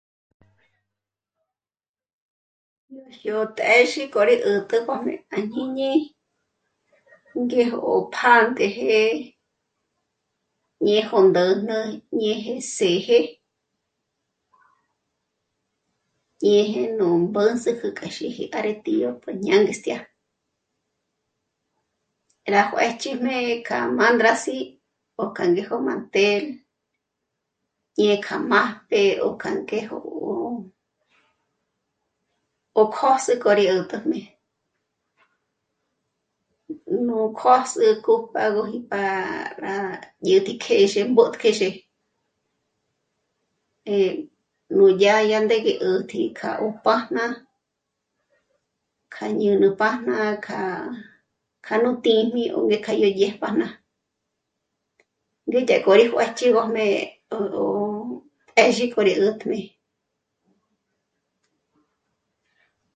Nùjió těxi k'o rí 'ät'ä ngójmé àjñíñi ngéjo pjántëjë, ñéjo ndä̀jnä, ñeje sjèje, ñeje nú mbǚzüjü k'a xí'i yó tíxi ñéje ngáñestia, rá juéchijmé k'a mángrasi o k'angéjo mantel, ñe k'a mbájpje o k'angé ó pjósi k'o rí 'öjt'öjmé. Nú kjosü k'o pára dyát'i mbótkjézhe para nú kjézhe. Nudyà gá ngéji 'äjt'äji k'a 'upájna, k'a ñérüpájna, k'a nú tíjni mbéka k'a gú ñépájna. Dyé k'orí juéch'i ngójmé gótéxi k'o ri pézh'i k'o ri 'ä̀tjmi